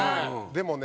でもね